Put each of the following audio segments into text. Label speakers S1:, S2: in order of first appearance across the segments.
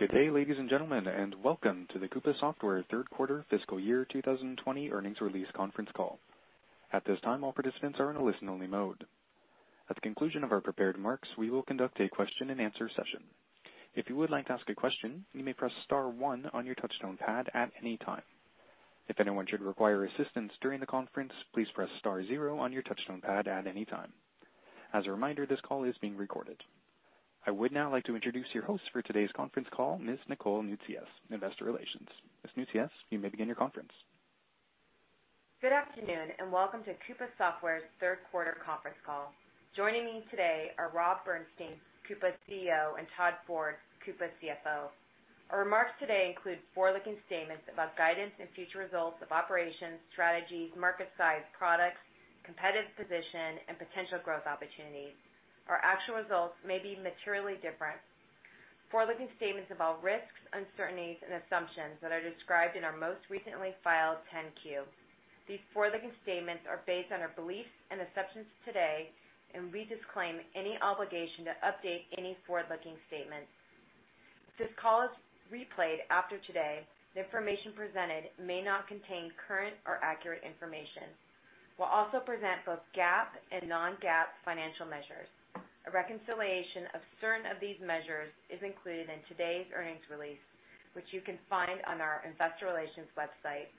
S1: Good day, ladies and gentlemen, and welcome to the Coupa Software third quarter fiscal year 2020 earnings release conference call. At this time, all participants are in a listen only mode. At the conclusion of our prepared remarks, we will conduct a question and answer session. If you would like to ask a question, you may press star one on your touch tone pad at any time. If anyone should require assistance during the conference, please press star zero on your touch tone pad at any time. As a reminder, this call is being recorded. I would now like to introduce your host for today's conference call, Ms. Nicole Noutsios, investor relations. Ms. Nicole Noutsios, you may begin your conference.
S2: Good afternoon and welcome to Coupa Software's third quarter conference call. Joining me today are Rob Bernshteyn, Coupa CEO, and Todd Ford, Coupa CFO. Our remarks today include forward-looking statements about guidance and future results of operations, strategies, market size, products, competitive position, and potential growth opportunities. Our actual results may be materially different. Forward-looking statements involve risks, uncertainties, and assumptions that are described in our most recently filed 10-Q. These forward-looking statements are based on our beliefs and assumptions today. We disclaim any obligation to update any forward-looking statements. If this call is replayed after today, the information presented may not contain current or accurate information. We'll also present both GAAP and non-GAAP financial measures. A reconciliation of certain of these measures is included in today's earnings release, which you can find on our investor relations website.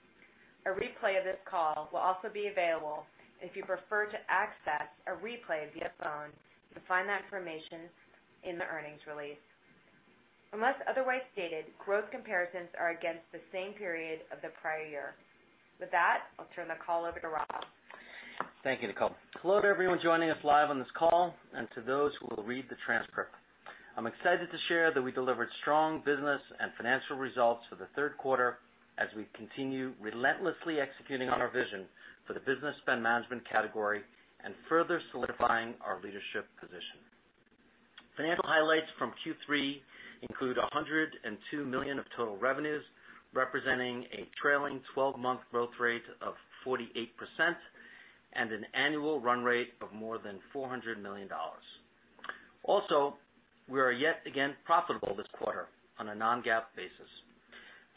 S2: A replay of this call will also be available, and if you prefer to access a replay via phone, you can find that information in the earnings release. Unless otherwise stated, growth comparisons are against the same period of the prior year. With that, I'll turn the call over to Rob.
S3: Thank you, Nicole. Hello to everyone joining us live on this call and to those who will read the transcript. I'm excited to share that we delivered strong business and financial results for the third quarter as we continue relentlessly executing on our vision for the business spend management category and further solidifying our leadership position. Financial highlights from Q3 include $102 million of total revenues, representing a trailing 12-month growth rate of 48% and an annual run rate of more than $400 million. Also, we are yet again profitable this quarter on a non-GAAP basis.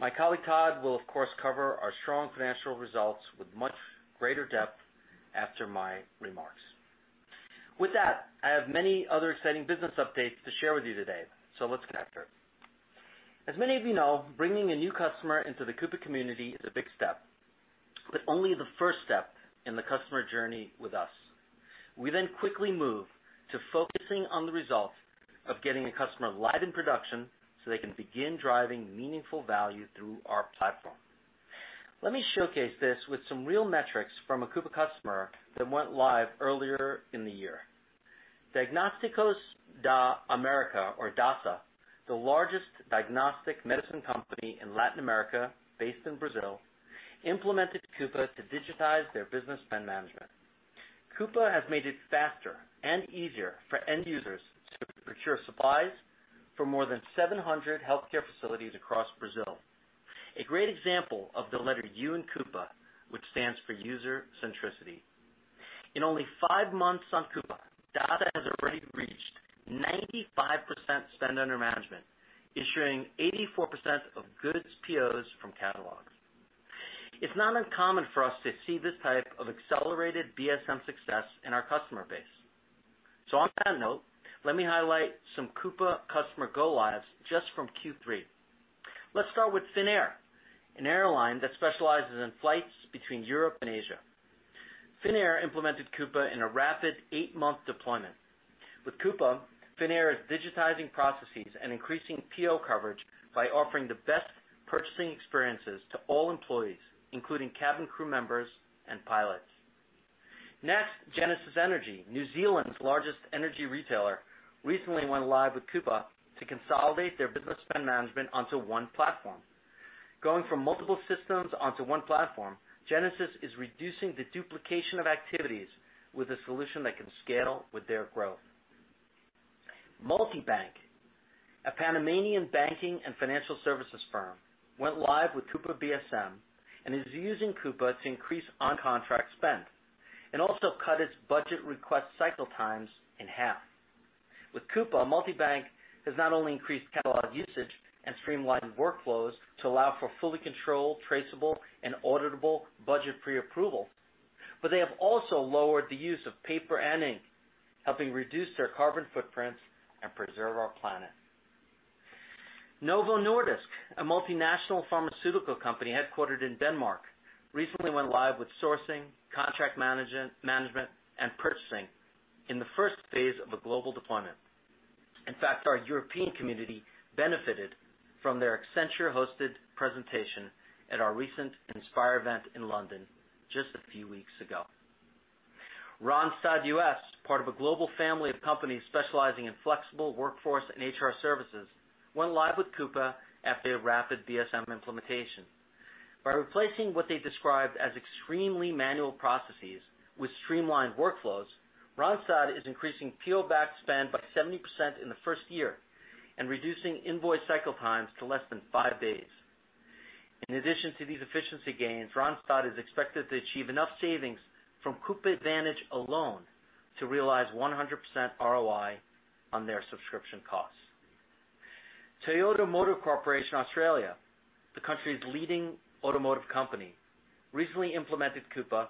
S3: My colleague, Todd, will of course, cover our strong financial results with much greater depth after my remarks. With that, I have many other exciting business updates to share with you today, so let's get after it. As many of you know, bringing a new customer into the Coupa community is a big step, but only the first step in the customer journey with us. We quickly move to focusing on the result of getting a customer live in production so they can begin driving meaningful value through our platform. Let me showcase this with some real metrics from a Coupa customer that went live earlier in the year. Diagnósticos da América or DASA, the largest diagnostic medicine company in Latin America based in Brazil, implemented Coupa to digitize their business spend management. Coupa has made it faster and easier for end users to procure supplies for more than 700 healthcare facilities across Brazil. A great example of the letter U in Coupa, which stands for user centricity. In only five months on Coupa, DASA has already reached 95% spend under management, issuing 84% of goods POs from catalogs. It's not uncommon for us to see this type of accelerated BSM success in our customer base. On that note, let me highlight some Coupa customer go lives just from Q3. Let's start with Finnair, an airline that specializes in flights between Europe and Asia. Finnair implemented Coupa in a rapid eight-month deployment. With Coupa, Finnair is digitizing processes and increasing PO coverage by offering the best purchasing experiences to all employees, including cabin crew members and pilots. Next, Genesis Energy, New Zealand's largest energy retailer, recently went live with Coupa to consolidate their business spend management onto one platform. Going from multiple systems onto one platform, Genesis is reducing the duplication of activities with a solution that can scale with their growth. Multibank, a Panamanian banking and financial services firm, went live with Coupa BSM and is using Coupa to increase on-contract spend, also cut its budget request cycle times in half. With Coupa, Multibank has not only increased catalog usage and streamlined workflows to allow for fully controlled, traceable, and auditable budget pre-approval, they have also lowered the use of paper and ink, helping reduce their carbon footprints and preserve our planet. Novo Nordisk, a multinational pharmaceutical company headquartered in Denmark, recently went live with sourcing, contract management, and purchasing in the first phase of a global deployment. In fact, our European community benefited from their Accenture-hosted presentation at our recent Inspire event in London just a few weeks ago. Randstad US, part of a global family of companies specializing in flexible workforce and HR services, went live with Coupa after a rapid BSM implementation. By replacing what they described as extremely manual processes with streamlined workflows, Randstad is increasing PO back spend by 70% in the first year and reducing invoice cycle times to less than five days. In addition to these efficiency gains, Randstad is expected to achieve enough savings from Coupa Advantage alone to realize 100% ROI on their subscription costs. Toyota Motor Corporation Australia, the country's leading automotive company, recently implemented Coupa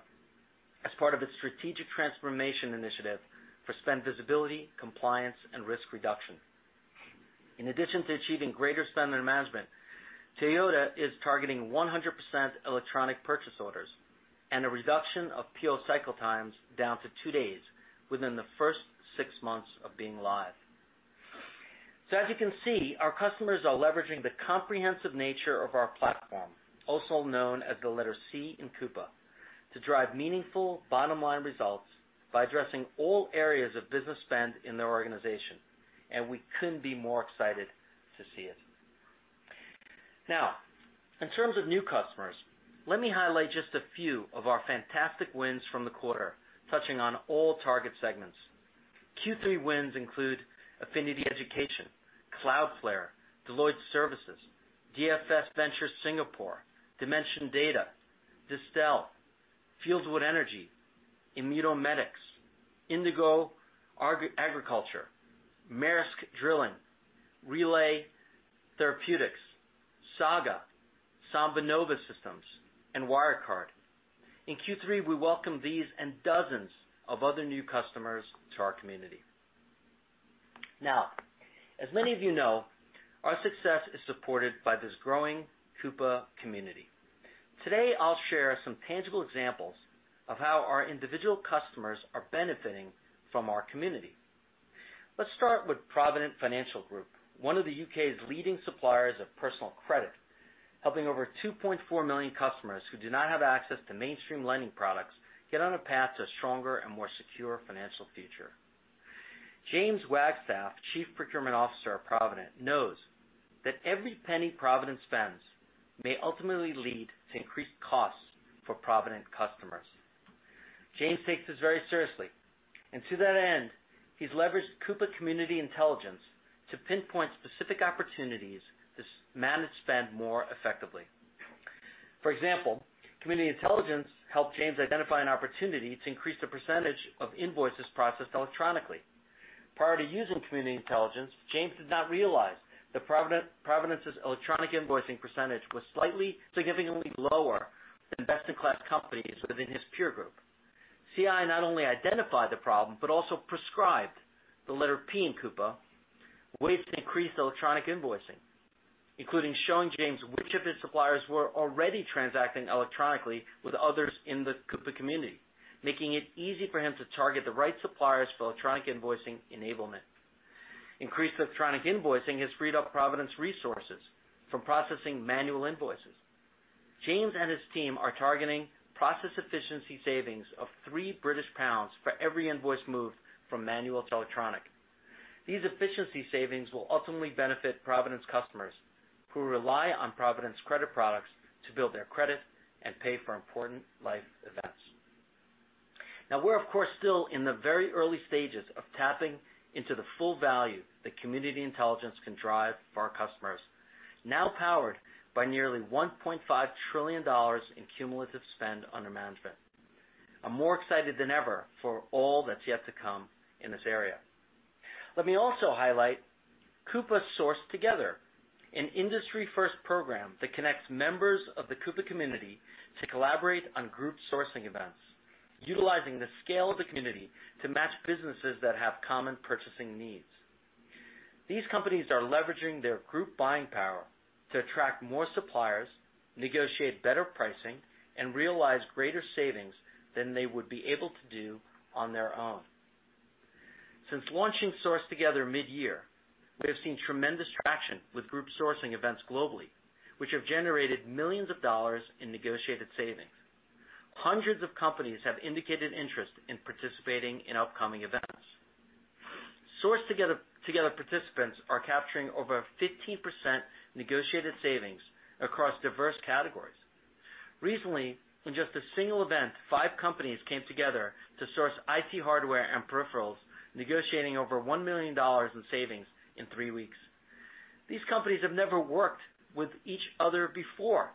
S3: as part of its strategic transformation initiative for spend visibility, compliance, and risk reduction. In addition to achieving greater spend management, Toyota is targeting 100% electronic purchase orders, and a reduction of PO cycle times down to two days within the first six months of being live. As you can see, our customers are leveraging the comprehensive nature of our platform, also known as the letter C in Coupa, to drive meaningful bottom-line results by addressing all areas of business spend in their organization, and we couldn't be more excited to see it. In terms of new customers, let me highlight just a few of our fantastic wins from the quarter, touching on all target segments. Q3 wins include Affinity Education, Cloudflare, Deloitte Services, DFS Venture Singapore, Dimension Data, Distell, Fieldwood Energy, Immunomedics, Indigo Agriculture, Maersk Drilling, Relay Therapeutics, Saga, SambaNova Systems, and Wirecard. In Q3, we welcome these and dozens of other new customers to our community. As many of you know, our success is supported by this growing Coupa community. Today, I'll share some tangible examples of how our individual customers are benefiting from our community. Let's start with Provident Financial Group, one of the U.K.'s leading suppliers of personal credit, helping over 2.4 million customers who do not have access to mainstream lending products get on a path to stronger and more secure financial future. James Wagstaff, Chief Procurement Officer of Provident, knows that every penny Provident spends may ultimately lead to increased costs for Provident customers. James takes this very seriously, to that end, he's leveraged Coupa Community Intelligence to pinpoint specific opportunities to manage spend more effectively. For example, Community Intelligence helped James identify an opportunity to increase the percentage of invoices processed electronically. Prior to using Community Intelligence, James did not realize that Provident's electronic invoicing percentage was significantly lower than best-in-class companies within his peer group. CI not only identified the problem, but also prescribed the letter P in Coupa, ways to increase electronic invoicing, including showing James which of his suppliers were already transacting electronically with others in the Coupa community, making it easy for him to target the right suppliers for electronic invoicing enablement. Increased electronic invoicing has freed up Provident's resources from processing manual invoices. James and his team are targeting process efficiency savings of three GBP for every invoice moved from manual to electronic. These efficiency savings will ultimately benefit Provident's customers who rely on Provident's credit products to build their credit and pay for important life events. We're of course still in the very early stages of tapping into the full value that Community Intelligence can drive for our customers, now powered by nearly $1.5 trillion in cumulative spend under management. I'm more excited than ever for all that's yet to come in this area. Let me also highlight Coupa Source Together, an industry-first program that connects members of the Coupa community to collaborate on group sourcing events, utilizing the scale of the community to match businesses that have common purchasing needs. These companies are leveraging their group buying power to attract more suppliers, negotiate better pricing, and realize greater savings than they would be able to do on their own. Since launching Source Together mid-year, we have seen tremendous traction with group sourcing events globally, which have generated millions of dollars in negotiated savings. Hundreds of companies have indicated interest in participating in upcoming events. Source Together participants are capturing over 15% negotiated savings across diverse categories. Recently, in just a single event, five companies came together to source IT hardware and peripherals, negotiating over $1 million in savings in three weeks. These companies have never worked with each other before,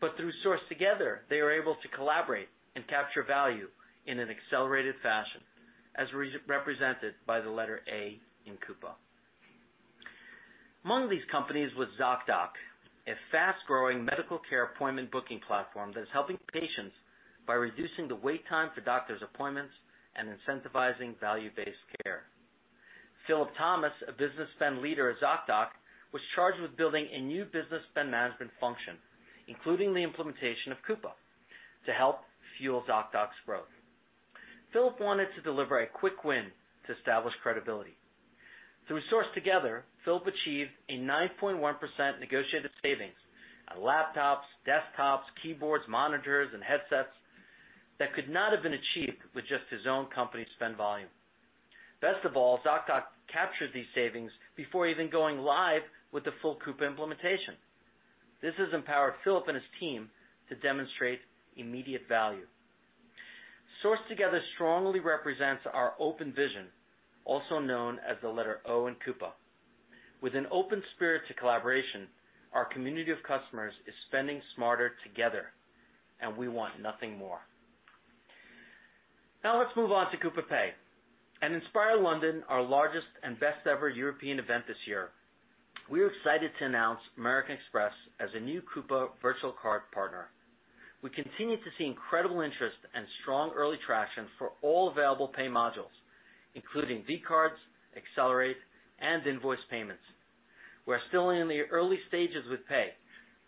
S3: but through Source Together, they are able to collaborate and capture value in an accelerated fashion, as represented by the letter A in Coupa. Among these companies was Zocdoc, a fast-growing medical care appointment booking platform that is helping patients by reducing the wait time for doctor's appointments and incentivizing value-based care. Philip Thomas, a business spend leader at Zocdoc, was charged with building a new business spend management function, including the implementation of Coupa, to help fuel Zocdoc's growth. Philip wanted to deliver a quick win to establish credibility. Through Source Together, Philip achieved a 9.1% negotiated savings on laptops, desktops, keyboards, monitors, and headsets that could not have been achieved with just his own company's spend volume. Best of all, Zocdoc captured these savings before even going live with the full Coupa implementation. This has empowered Philip and his team to demonstrate immediate value. Source Together strongly represents our open vision, also known as the letter O in Coupa. With an open spirit to collaboration, our community of customers is spending smarter together, and we want nothing more. Let's move on to Coupa Pay. At Inspire London, our largest and best ever European event this year, we are excited to announce American Express as a new Coupa virtual card partner. We continue to see incredible interest and strong early traction for all available Pay modules, including vCards, Accelerate, and Invoice Pay. We're still in the early stages with Coupa Pay,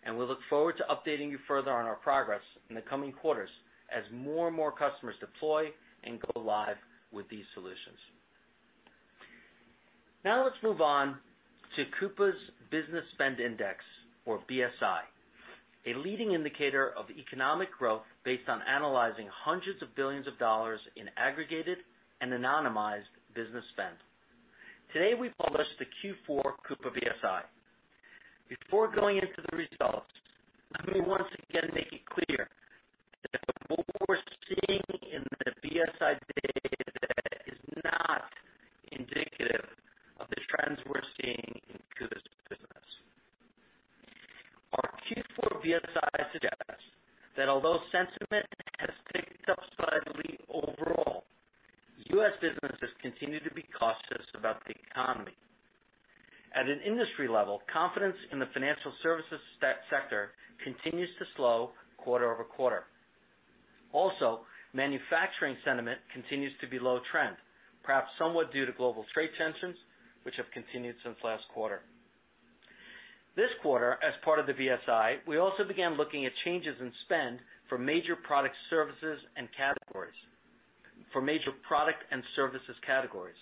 S3: and we look forward to updating you further on our progress in the coming quarters as more and more customers deploy and go live with these solutions. Let's move on to Coupa's Business Spend Index, or BSI, a leading indicator of economic growth based on analyzing hundreds of billions of dollars in aggregated and anonymized business spend. Today, we published the Q4 Coupa BSI. Before going into the results, let me once again make it clear that what we're seeing in the BSI data is not indicative of the trends we're seeing in Coupa's business. Our Q4 BSI suggests that although sentiment has ticked up slightly overall, U.S. businesses continue to be cautious about the economy. At an industry level, confidence in the financial services sector continues to slow quarter-over-quarter. Manufacturing sentiment continues to be low trend, perhaps somewhat due to global trade tensions, which have continued since last quarter. This quarter, as part of the BSI, we also began looking at changes in spend for major product and services categories.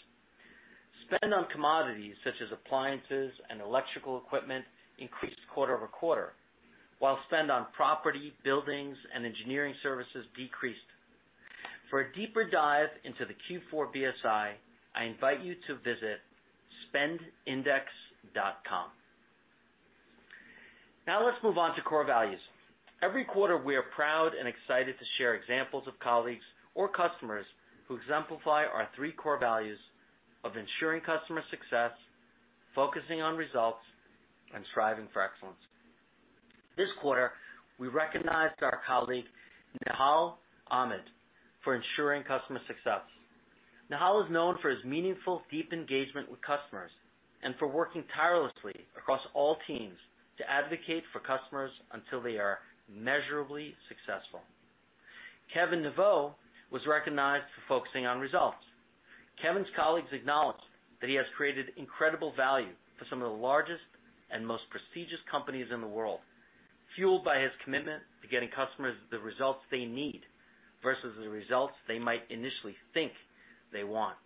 S3: Spend on commodities such as appliances and electrical equipment increased quarter-over-quarter, while spend on property, buildings, and engineering services decreased. For a deeper dive into the Q4 BSI, I invite you to visit spendindex.com. Let's move on to Core Values. Every quarter, we are proud and excited to share examples of colleagues or customers who exemplify our three Core Values of Ensuring Customer Success, Focusing on Results, and Striving for Excellence. This quarter, we recognized our colleague, Nihal Ahmed, for Ensuring Customer Success. Nihal is known for his meaningful, deep engagement with customers and for working tirelessly across all teams to advocate for customers until they are measurably successful. Kevin Neveu Was recognized for focusing on results. Kevin's colleagues acknowledged that he has created incredible value for some of the largest and most prestigious companies in the world, fueled by his commitment to getting customers the results they need versus the results they might initially think they want.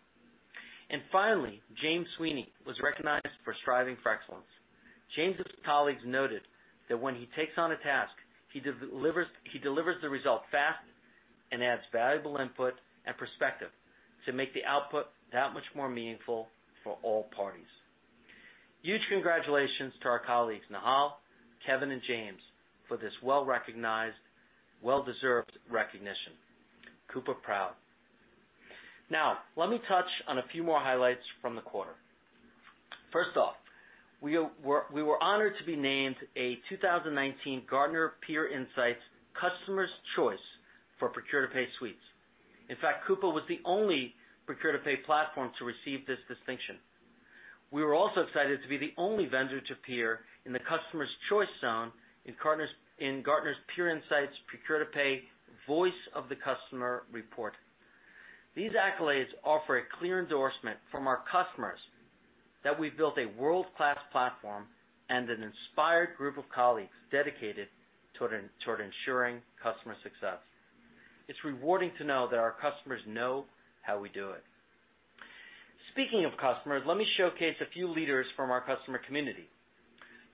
S3: Finally, James Sweeney was recognized for striving for excellence. James' colleagues noted that when he takes on a task, he delivers the result fast and adds valuable input and perspective to make the output that much more meaningful for all parties. Huge congratulations to our colleagues, Nihal, Kevin, and James, for this well-recognized, well-deserved recognition. Coupa proud. Let me touch on a few more highlights from the quarter. First off, we were honored to be named a 2019 Gartner Peer Insights Customers' Choice for Procure-to-Pay Suites. In fact, Coupa was the only procure-to-pay platform to receive this distinction. We were also excited to be the only vendor to appear in the Customers' Choice zone in Gartner's Peer Insights Procure-to-Pay Voice of the Customer report. These accolades offer a clear endorsement from our customers that we've built a world-class platform and an inspired group of colleagues dedicated toward ensuring customer success. It's rewarding to know that our customers know how we do it. Speaking of customers, let me showcase a few leaders from our customer community.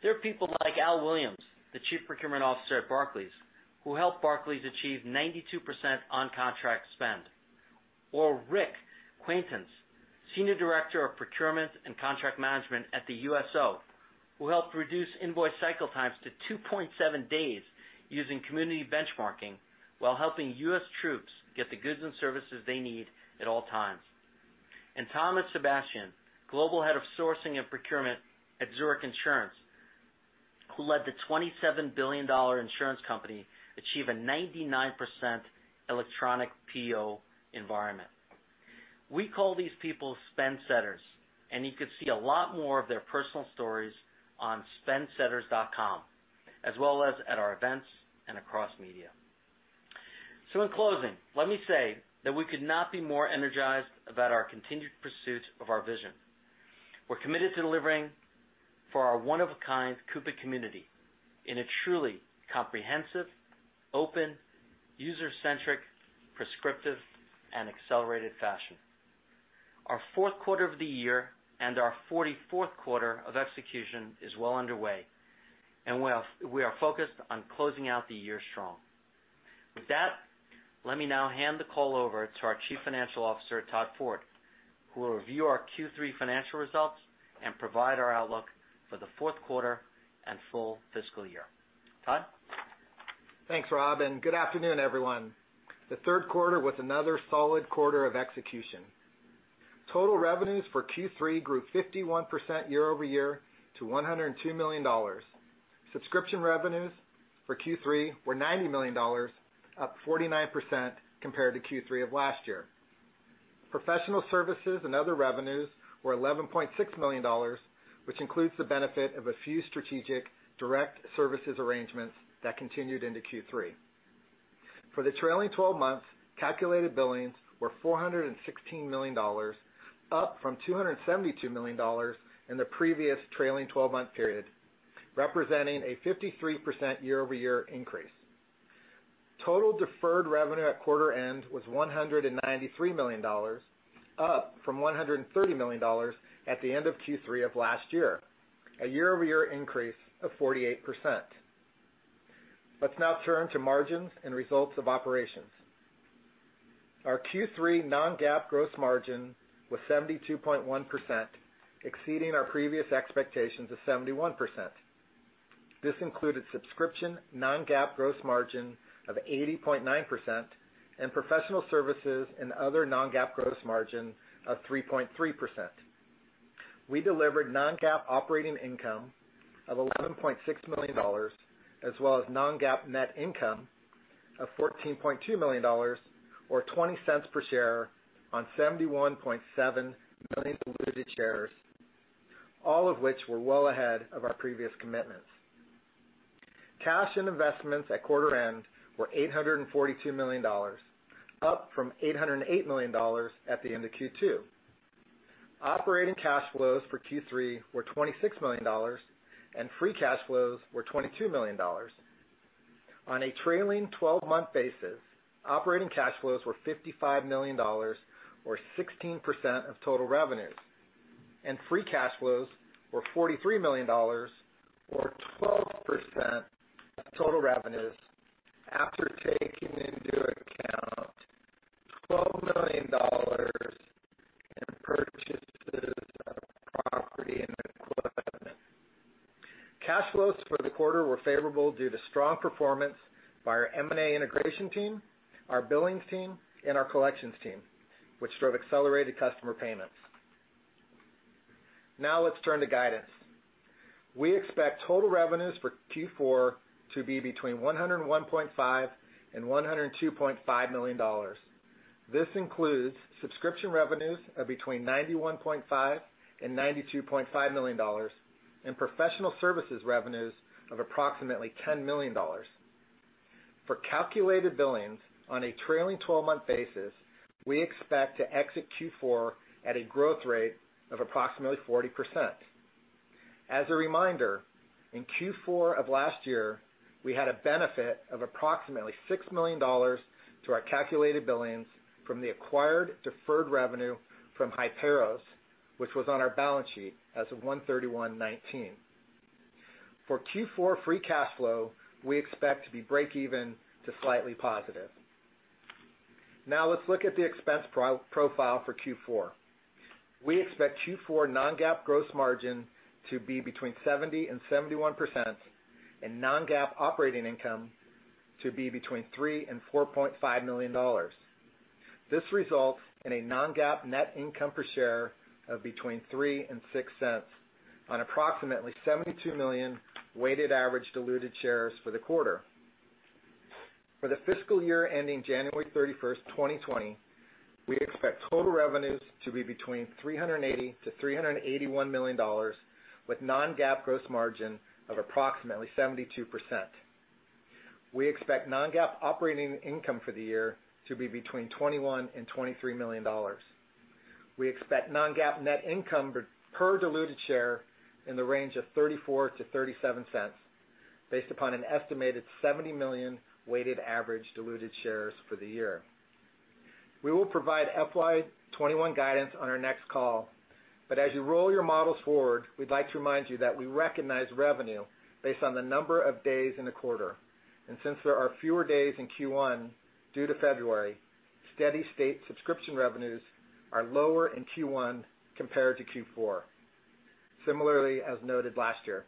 S3: There are people like Al Williams, the Chief Procurement Officer at Barclays, who helped Barclays achieve 92% on-contract spend. Rick Quaintance, Senior Director of Procurement and Contract Management at the U.S.O., who helped reduce invoice cycle times to 2.7 days using community benchmarking while helping U.S. troops get the goods and services they need at all times. Thomas Sebastian, Global Head of Sourcing and Procurement at Zurich Insurance, who led the $27 billion insurance company achieve a 99% electronic PO environment. We call these people Spendsetters, and you could see a lot more of their personal stories on spendsetters.com, as well as at our events and across media. In closing, let me say that we could not be more energized about our continued pursuit of our vision. We're committed to delivering for our one-of-a-kind Coupa community in a truly comprehensive, open, user-centric, prescriptive, and accelerated fashion. Our fourth quarter of the year and our 44th quarter of execution is well underway. We are focused on closing out the year strong. With that, let me now hand the call over to our Chief Financial Officer, Todd Ford, who will review our Q3 financial results and provide our outlook for the fourth quarter and full fiscal year. Todd?
S4: Thanks, Rob. Good afternoon, everyone. The third quarter was another solid quarter of execution. Total revenues for Q3 grew 51% year-over-year to $102 million. Subscription revenues for Q3 were $90 million, up 49% compared to Q3 of last year. Professional services and other revenues were $11.6 million, which includes the benefit of a few strategic direct services arrangements that continued into Q3. For the trailing 12 months, calculated billings were $416 million, up from $272 million in the previous trailing 12-month period, representing a 53% year-over-year increase. Total deferred revenue at quarter end was $193 million, up from $130 million at the end of Q3 of last year, a year-over-year increase of 48%. Let's now turn to margins and results of operations. Our Q3 non-GAAP gross margin was 72.1%, exceeding our previous expectations of 71%. This included subscription non-GAAP gross margin of 80.9% and professional services and other non-GAAP gross margin of 3.3%. We delivered non-GAAP operating income of $11.6 million, as well as non-GAAP net income of $14.2 million or $0.20 per share on 71.7 million diluted shares, all of which were well ahead of our previous commitments. Cash and investments at quarter end were $842 million, up from $808 million at the end of Q2. Operating cash flows for Q3 were $26 million, and free cash flows were $22 million. On a trailing 12-month basis, operating cash flows were $55 million, or 16% of total revenues, and free cash flows were $43 million or 12% of total revenues after taking into account $12 million in purchases of property and equipment. Cash flows for the quarter were favorable due to strong performance by our M&A integration team, our billings team, and our collections team, which drove accelerated customer payments. Let's turn to guidance. We expect total revenues for Q4 to be between $101.5 and $102.5 million. This includes subscription revenues of between $91.5 and $92.5 million and professional services revenues of approximately $10 million. Calculated billings on a trailing 12-month basis, we expect to exit Q4 at a growth rate of approximately 40%. In Q4 of last year, we had a benefit of approximately $6 million to our calculated billings from the acquired deferred revenue from Hiperos, which was on our balance sheet as of 1/31/2019. Q4 free cash flow, we expect to be breakeven to slightly positive. Let's look at the expense profile for Q4. We expect Q4 non-GAAP gross margin to be between 70% and 71% and non-GAAP operating income to be between $3 million and $4.5 million. This results in a non-GAAP net income per share of between $0.03 and $0.06 on approximately 72 million weighted average diluted shares for the quarter. For the fiscal year ending January 31st, 2020, we expect total revenues to be between $380 million to $381 million, with non-GAAP gross margin of approximately 72%. We expect non-GAAP operating income for the year to be between $21 million and $23 million. We expect non-GAAP net income per diluted share in the range of $0.34 to $0.37, based upon an estimated 70 million weighted average diluted shares for the year. We will provide FY 2021 guidance on our next call. As you roll your models forward, we'd like to remind you that we recognize revenue based on the number of days in the quarter. Since there are fewer days in Q1 due to February, steady state subscription revenues are lower in Q1 compared to Q4. Similarly, as noted last year.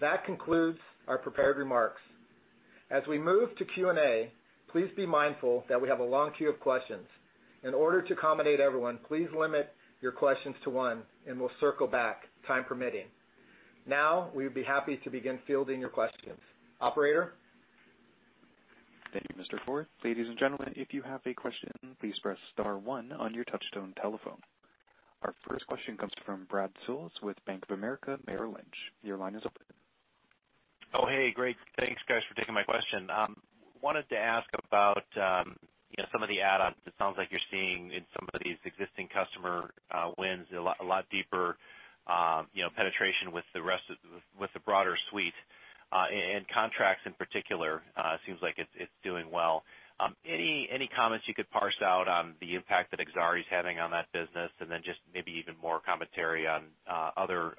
S4: That concludes our prepared remarks. As we move to Q&A, please be mindful that we have a long queue of questions. In order to accommodate everyone, please limit your questions to one, and we'll circle back time permitting. We would be happy to begin fielding your questions. Operator?
S1: Thank you, Mr. Ford. Ladies and gentlemen, if you have a question, please press star one on your touchtone telephone. Our first question comes from Brad Sills with Bank of America Merrill Lynch. Your line is open.
S5: Oh, hey. Great. Thanks, guys, for taking my question. Wanted to ask about some of the add-ons it sounds like you're seeing in some of these existing customer wins, a lot deeper penetration with the broader suite, and contracts in particular, it seems like it's doing well. Any comments you could parse out on the impact that Exari is having on that business? Just maybe even more commentary on other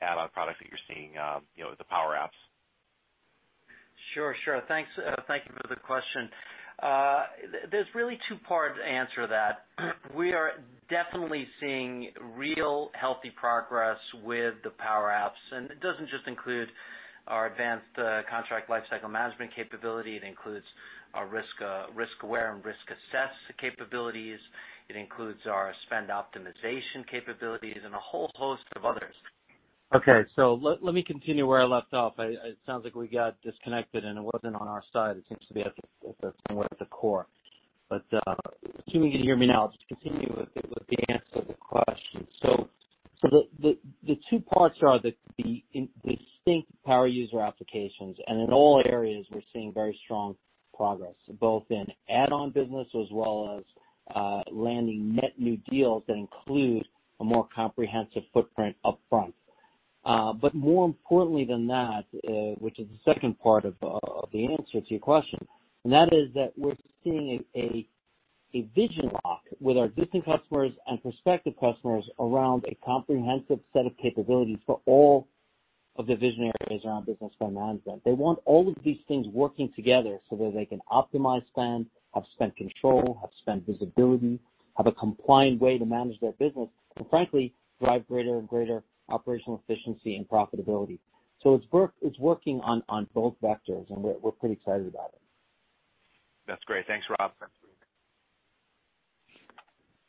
S5: add-on products that you're seeing with the Power Apps?
S3: Sure. Thanks for the question. There is really two parts to answer that. We are definitely seeing real healthy progress with the Power Apps, and it does not just include our advanced contract lifecycle management capability. It includes our Risk Aware and Risk Assess capabilities. It includes our spend optimization capabilities and a whole host of others. Okay, let me continue where I left off. It sounds like we got disconnected, and it was not on our side. It seems to be somewhere at the core. Assuming you can hear me now, just to continue with the answer to the question. The two parts are the distinct power user applications. In all areas, we are seeing very strong progress, both in add-on business as well as landing net new deals that include a more comprehensive footprint up front. More importantly than that, which is the second part of the answer to your question, that is that we're seeing a vision lock with our existing customers and prospective customers around a comprehensive set of capabilities for all of the vision areas around Business Spend Management. They want all of these things working together so that they can optimize spend, have spend control, have spend visibility, have a compliant way to manage their business, and frankly, drive greater and greater operational efficiency and profitability. It's working on both vectors, and we're pretty excited about it.
S5: That's great. Thanks, Rob.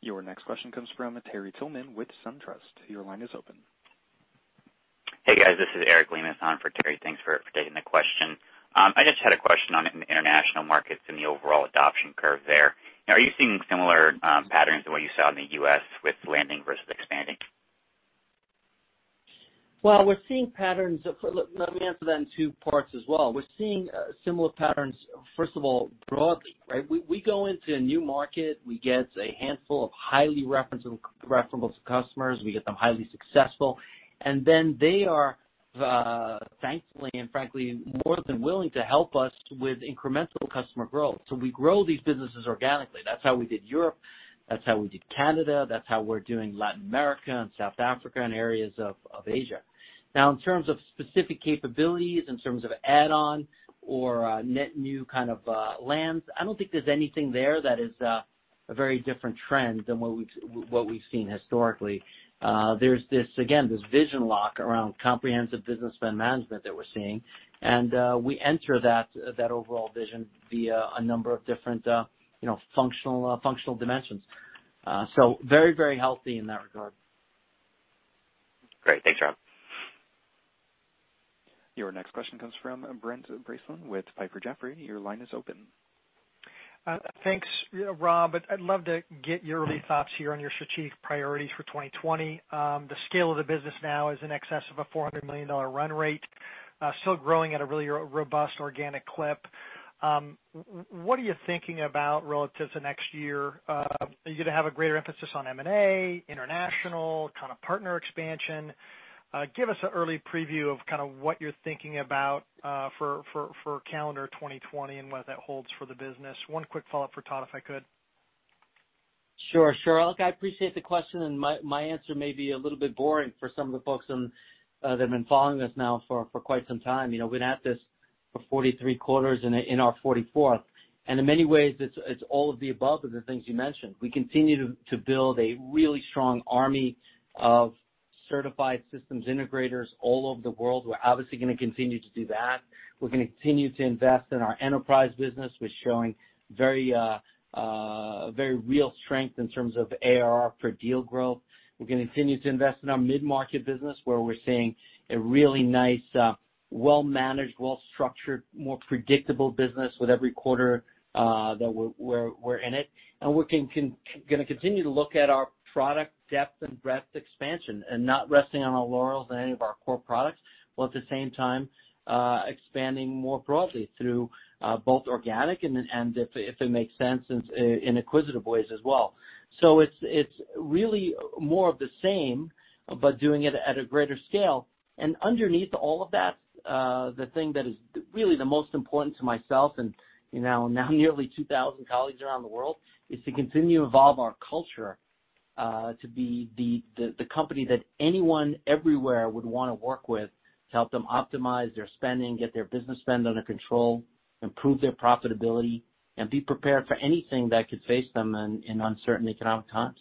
S1: Your next question comes from Terry Tillman with SunTrust. Your line is open.
S6: Hey, guys, this is Eric Lemus on for Terry. Thanks for taking the question. I just had a question on international markets and the overall adoption curve there. Are you seeing similar patterns to what you saw in the U.S. with landing versus expanding?
S3: Well, let me answer that in two parts as well. We're seeing similar patterns, first of all, broadly, right? We go into a new market, we get a handful of highly referenceable customers, we get them highly successful, and then they are thankfully and frankly, more than willing to help us with incremental customer growth. We grow these businesses organically. That's how we did Europe. That's how we did Canada. That's how we're doing Latin America and South Africa and areas of Asia. In terms of specific capabilities, in terms of add-on or net new kind of lands, I don't think there's anything there that is a very different trend than what we've seen historically. There's, again, this vision lock around comprehensive Business Spend Management that we're seeing, and we enter that overall vision via a number of different functional dimensions. Very healthy in that regard.
S6: Great. Thanks, Rob.
S1: Your next question comes from Brent Bracelin with Piper Jaffray. Your line is open.
S7: Thanks, Rob. I'd love to get your early thoughts here on your strategic priorities for 2020. The scale of the business now is in excess of a $400 million run rate, still growing at a really robust organic clip. What are you thinking about relative to next year? Are you going to have a greater emphasis on M&A, international, kind of partner expansion? Give us an early preview of kind of what you're thinking about for calendar 2020, and what that holds for the business. One quick follow-up for Todd, if I could.
S3: Sure. Look, I appreciate the question. My answer may be a little bit boring for some of the folks that have been following us now for quite some time. We've been at this for 43 quarters, in our 44th, in many ways, it's all of the above of the things you mentioned. We continue to build a really strong army of certified systems integrators all over the world. We're obviously going to continue to do that. We're going to continue to invest in our enterprise business. We're showing very real strength in terms of ARR for deal growth. We're going to continue to invest in our mid-market business, where we're seeing a really nice well-managed, well-structured, more predictable business with every quarter that we're in it. We're going to continue to look at our product depth and breadth expansion and not resting on our laurels on any of our core products, while at the same time expanding more broadly through both organic and if it makes sense, in acquisitive ways as well. It's really more of the same, but doing it at a greater scale. Underneath all of that, the thing that is really the most important to myself and now nearly 2,000 colleagues around the world, is to continue to evolve our culture to be the company that anyone everywhere would want to work with to help them optimize their spending, get their business spend under control, improve their profitability, and be prepared for anything that could face them in uncertain economic times.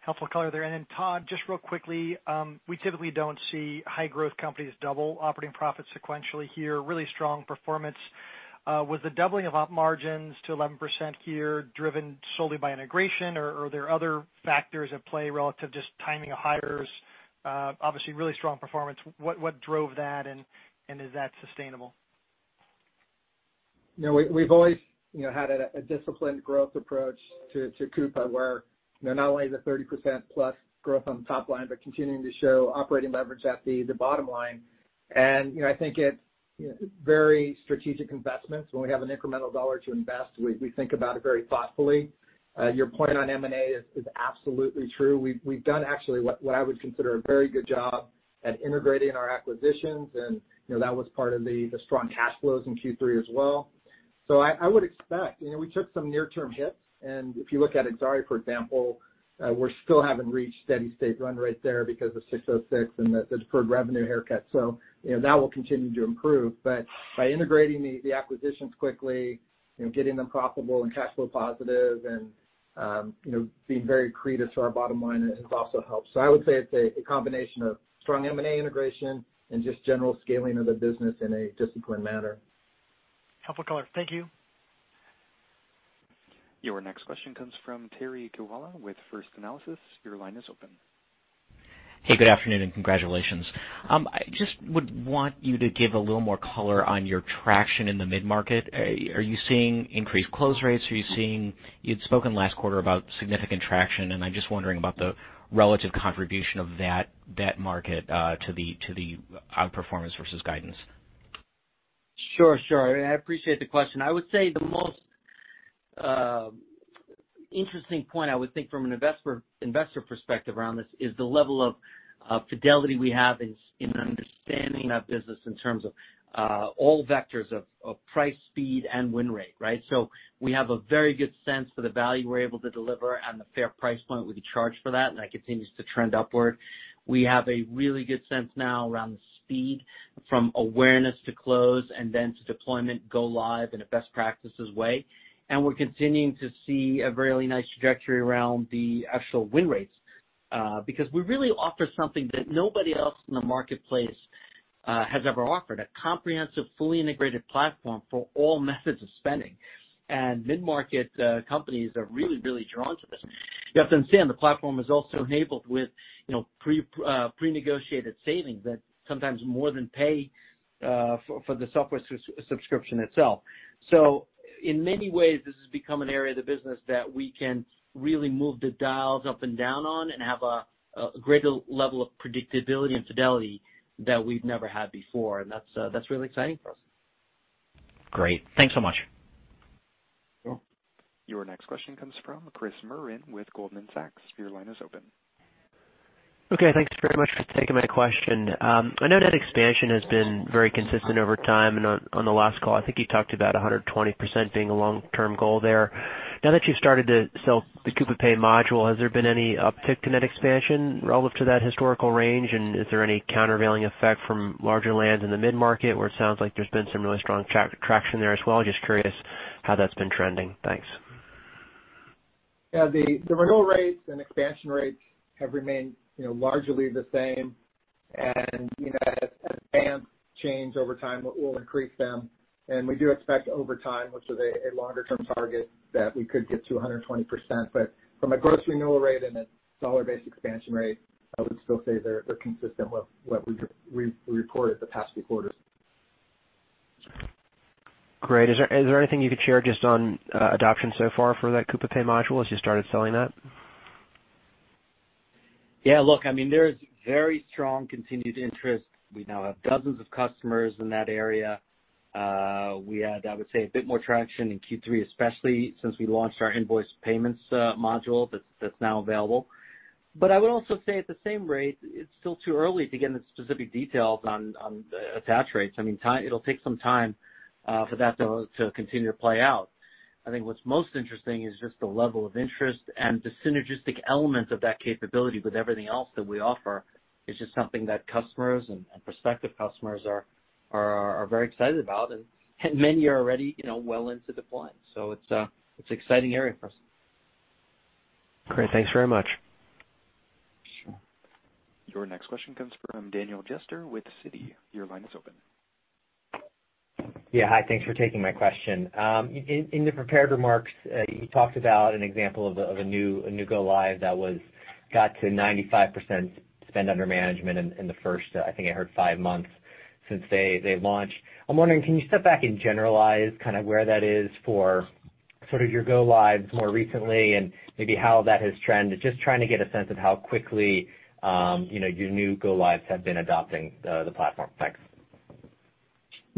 S7: Helpful color there. Todd, just real quickly, we typically don't see high growth companies double operating profits sequentially here. Really strong performance. Was the doubling of op margins to 11% here driven solely by integration, or are there other factors at play relative, just timing of hires? Obviously, really strong performance. What drove that, and is that sustainable?
S4: We've always had a disciplined growth approach to Coupa, where not only the 30%+ growth on the top line, but continuing to show operating leverage at the bottom line. I think it's very strategic investments. When we have an incremental dollar to invest, we think about it very thoughtfully. Your point on M&A is absolutely true. We've done, actually, what I would consider a very good job at integrating our acquisitions, and that was part of the strong cash flows in Q3 as well.
S3: I would expect, we took some near-term hits, and if you look at Exari, for example, we still haven't reached steady state run rate there because of 606 and the deferred revenue haircut. That will continue to improve. By integrating the acquisitions quickly, getting them profitable and cash flow positive and being very accretive to our bottom line has also helped. I would say it's a combination of strong M&A integration and just general scaling of the business in a disciplined manner.
S7: Helpful color. Thank you.
S1: Your next question comes from Terry Kiwala with First Analysis. Your line is open.
S8: Hey, good afternoon and congratulations. I just would want you to give a little more color on your traction in the mid-market. Are you seeing increased close rates? You'd spoken last quarter about significant traction, and I'm just wondering about the relative contribution of that market to the outperformance versus guidance.
S3: Sure. I appreciate the question. I would say the most interesting point, I would think from an investor perspective around this is the level of fidelity we have in understanding our business in terms of all vectors of price, speed, and win rate, right? We have a very good sense for the value we're able to deliver and the fair price point we could charge for that, and that continues to trend upward. We have a really good sense now around the speed from awareness to close and then to deployment go live in a best practices way. We're continuing to see a really nice trajectory around the actual win rates, because we really offer something that nobody else in the marketplace has ever offered, a comprehensive, fully integrated platform for all methods of spending. Mid-market companies are really drawn to this. You have to understand, the platform is also enabled with prenegotiated savings that sometimes more than pay for the software subscription itself. In many ways, this has become an area of the business that we can really move the dials up and down on and have a greater level of predictability and fidelity that we've never had before. That's really exciting for us.
S8: Great. Thanks so much.
S1: Sure. Your next question comes from Chris Merwin with Goldman Sachs. Your line is open.
S9: Okay, thanks very much for taking my question. I know net expansion has been very consistent over time, and on the last call, I think you talked about 120% being a long-term goal there. Now that you've started to sell the Coupa Pay module, has there been any uptick in net expansion relative to that historical range? Is there any countervailing effect from larger lands in the mid-market where it sounds like there's been some really strong traction there as well? Just curious how that's been trending. Thanks.
S3: Yeah. The renewal rates and expansion rates have remained largely the same. As bands change over time, we'll increase them, and we do expect over time, which is a longer-term target, that we could get to 120%. From a gross renewal rate and a dollar-based expansion rate, I would still say they're consistent with what we reported the past few quarters.
S9: Great. Is there anything you could share just on adoption so far for that Coupa Pay module as you started selling that?
S3: Yeah, look, there's very strong continued interest. We now have dozens of customers in that area. We had, I would say, a bit more traction in Q3, especially since we launched our invoice payments module that's now available. I would also say at the same rate, it's still too early to get into specific details on attach rates. It'll take some time for that to continue to play out. I think what's most interesting is just the level of interest and the synergistic element of that capability with everything else that we offer is just something that customers and prospective customers are very excited about, and many are already well into deploying. It's an exciting area for us.
S9: Great. Thanks very much.
S1: Sure. Your next question comes from Daniel Jester with Citi. Your line is open.
S10: Yeah, hi. Thanks for taking my question. In the prepared remarks, you talked about an example of a new go-live that got to 95% spend under management in the first, I think I heard five months since they launched. I'm wondering, can you step back and generalize where that is for sort of your go lives more recently and maybe how that has trended? Just trying to get a sense of how quickly your new go lives have been adopting the platform. Thanks.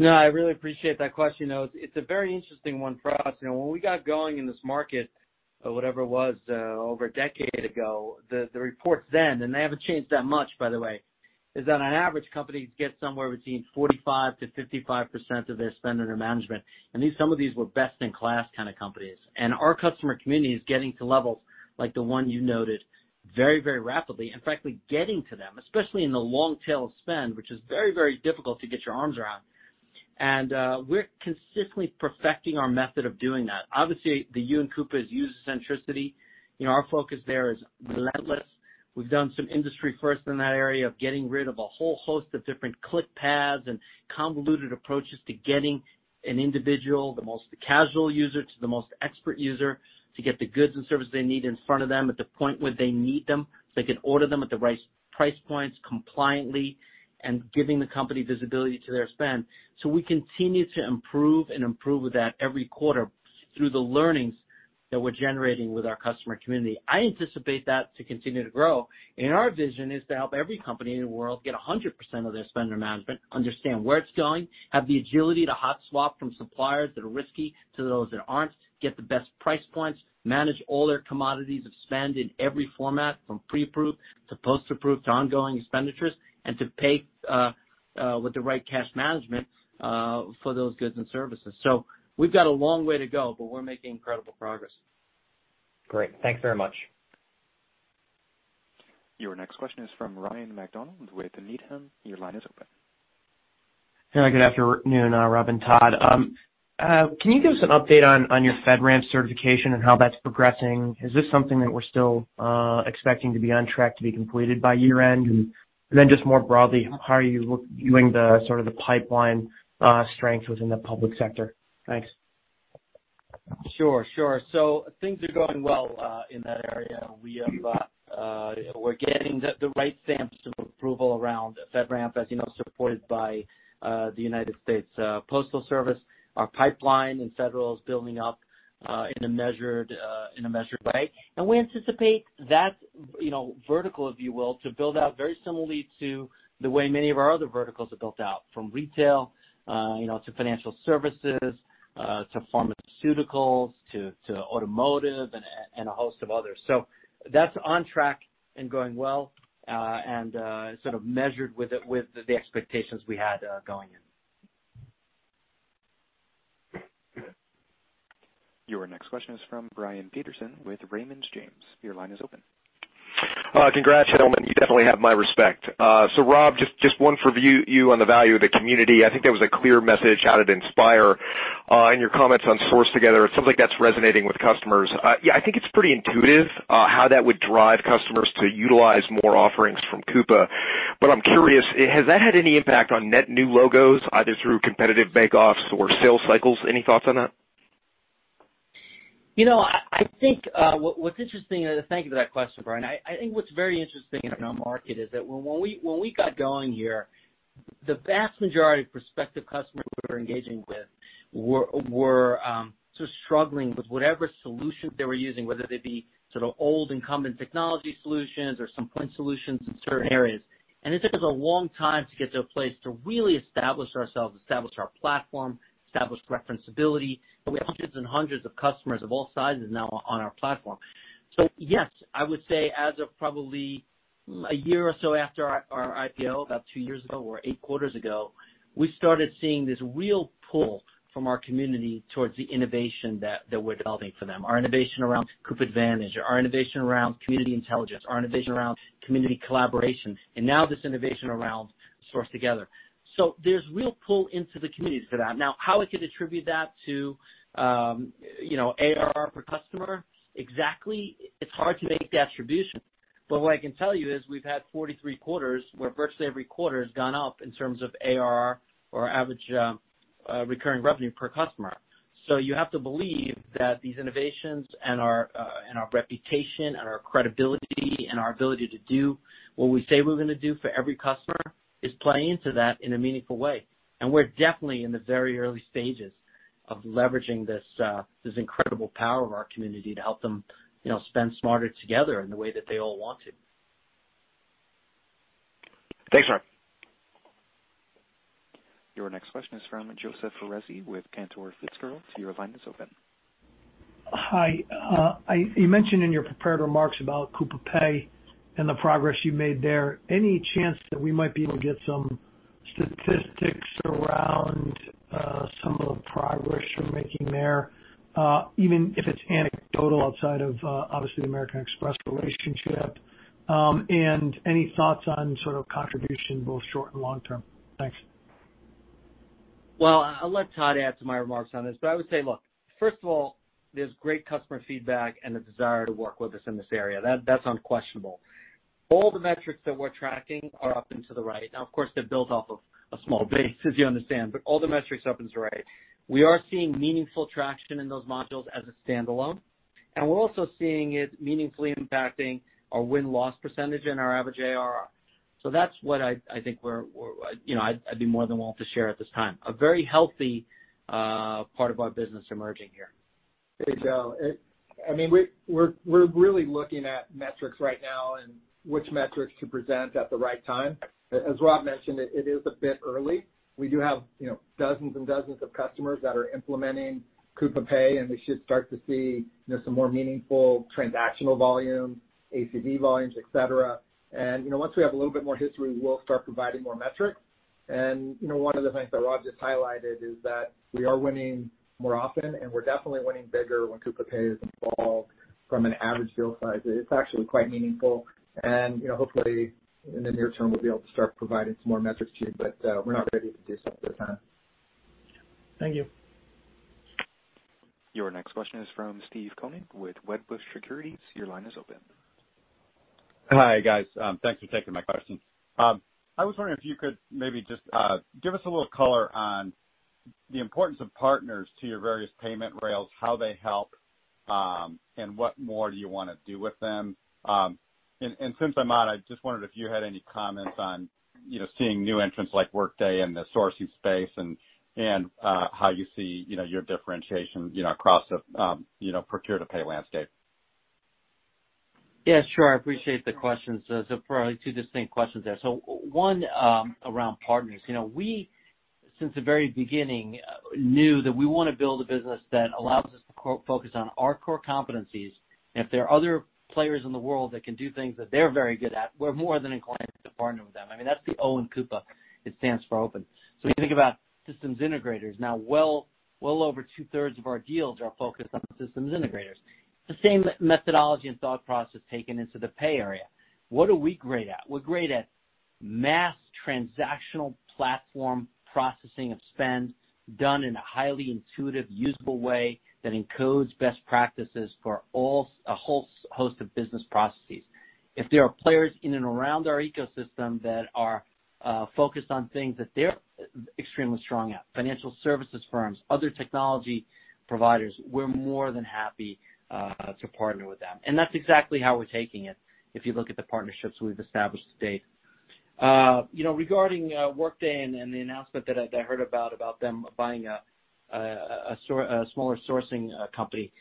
S3: I really appreciate that question. It's a very interesting one for us. When we got going in this market, whatever it was, over a decade ago, the reports then, and they haven't changed that much, by the way, is that on average, companies get somewhere between 45%-55% of their spend under management. Some of these were best-in-class kind of companies. Our customer community is getting to levels like the one you noted very rapidly and frankly, getting to them, especially in the long tail of spend, which is very difficult to get your arms around. We're consistently perfecting our method of doing that. Obviously, the you and Coupa is user centricity. Our focus there is relentless. We've done some industry first in that area of getting rid of a whole host of different click paths and convoluted approaches to getting an individual, the most casual user to the most expert user, to get the goods and services they need in front of them at the point where they need them, so they can order them at the right price points compliantly and giving the company visibility to their spend. We continue to improve and improve with that every quarter through the learnings that we're generating with our customer community. I anticipate that to continue to grow. Our vision is to help every company in the world get 100% of their spend under management, understand where it's going, have the agility to hot swap from suppliers that are risky to those that aren't, get the best price points, manage all their commodities of spend in every format, from pre-approved to post-approved to ongoing expenditures, and to pay with the right cash management for those goods and services. We've got a long way to go, but we're making incredible progress. Great. Thanks very much.
S1: Your next question is from Ryan MacDonald with Needham. Your line is open.
S11: Hey. Good afternoon, Rob and Todd. Can you give us an update on your FedRAMP certification and how that's progressing? Is this something that we're still expecting to be on track to be completed by year-end? Just more broadly, how are you viewing the sort of the pipeline strength within the public sector? Thanks.
S3: Sure. Things are going well in that area. We're getting the right stamps of approval around FedRAMP, as you know, supported by the United States Postal Service. Our pipeline in federal is building up in a measured way, and we anticipate that vertical, if you will, to build out very similarly to the way many of our other verticals are built out, from retail to financial services, to pharmaceuticals, to automotive and a host of others. That's on track and going well, and sort of measured with the expectations we had going in.
S1: Your next question is from Brian Peterson with Raymond James. Your line is open.
S12: Congrats, gentlemen. You definitely have my respect. Rob, just one for you on the value of the community. I think there was a clear message out at Inspire, in your comments on Source Together, it sounds like that's resonating with customers. I think it's pretty intuitive, how that would drive customers to utilize more offerings from Coupa. I'm curious, has that had any impact on net new logos, either through competitive bake-offs or sales cycles? Any thoughts on that?
S3: Thank you for that question, Brian. I think what's very interesting in our market is that when we got going here, the vast majority of prospective customers we were engaging with were sort of struggling with whatever solutions they were using, whether they be sort of old incumbent technology solutions or some point solutions in certain areas. It took us a long time to get to a place to really establish ourselves, establish our platform, establish referenceability. We have hundreds and hundreds of customers of all sizes now on our platform. Yes, I would say as of probably a year or so after our IPO, about two years ago or eight quarters ago, we started seeing this real pull from our community towards the innovation that we're developing for them, our innovation around Coupa Advantage or our innovation around Community Intelligence, our innovation around community collaboration, and now this innovation around Source Together. There's real pull into the community for that. How we could attribute that to ARR per customer, exactly, it's hard to make the attribution, but what I can tell you is we've had 43 quarters where virtually every quarter has gone up in terms of ARR or average recurring revenue per customer. You have to believe that these innovations and our reputation and our credibility and our ability to do what we say we're going to do for every customer is playing into that in a meaningful way. We're definitely in the very early stages of leveraging this incredible power of our community to help them spend smarter together in the way that they all want to.
S12: Thanks, Rob.
S1: Your next question is from Joseph Foresi with Cantor Fitzgerald. Your line is open.
S13: Hi. You mentioned in your prepared remarks about Coupa Pay and the progress you made there. Any chance that we might be able to get some statistics around some of the progress you're making there, even if it's anecdotal outside of, obviously, the American Express relationship? Any thoughts on sort of contribution, both short and long term? Thanks.
S3: I'll let Todd add to my remarks on this, but I would say, look, first of all, there's great customer feedback and the desire to work with us in this area. That's unquestionable. All the metrics that we're tracking are up and to the right. Of course, they're built off of a small base, as you understand, but all the metrics are up and to the right. We are seeing meaningful traction in those modules as a standalone, and we're also seeing it meaningfully impacting our win-loss percentage and our average ARR. That's what I think I'd be more than willing to share at this time. A very healthy part of our business emerging here.
S4: I mean, we're really looking at metrics right now and which metrics to present at the right time. As Rob mentioned, it is a bit early. We do have dozens and dozens of customers that are implementing Coupa Pay, and we should start to see some more meaningful transactional volumes, ACV volumes, et cetera. Once we have a little bit more history, we'll start providing more metrics. One of the things that Rob just highlighted is that we are winning more often, and we're definitely winning bigger when Coupa Pay is involved from an average deal size. It's actually quite meaningful. Hopefully, in the near term, we'll be able to start providing some more metrics to you, but we're not ready to do so at this time.
S13: Thank you.
S1: Your next question is from Steve Koenig with Wedbush Securities. Your line is open.
S14: Hi. Guys, thanks for taking my questions. I was wondering if you could maybe just give us a little color on the importance of partners to your various payment rails, how they help, and what more do you want to do with them. Since I'm on, I just wondered if you had any comments on seeing new entrants like Workday in the sourcing space and how you see your differentiation across the procure-to-pay landscape.
S3: Yeah, sure. I appreciate the questions. Probably two distinct questions there. One, around partners. We, since the very beginning, knew that we want to build a business that allows us to focus on our core competencies. If there are other players in the world that can do things that they're very good at, we're more than inclined to partner with them. I mean, that's the O in Coupa. It stands for open. When you think about systems integrators, now well over two-thirds of our deals are focused on systems integrators. The same methodology and thought process taken into the pay area. What are we great at? We're great at mass transactional platform processing of spend done in a highly intuitive, usable way that encodes best practices for a whole host of business processes. If there are players in and around our ecosystem that are focused on things that they're extremely strong at, financial services firms, other technology providers, we're more than happy to partner with them. That's exactly how we're taking it, if you look at the partnerships we've established to date. Regarding Workday and the announcement that I heard about them buying a smaller sourcing company,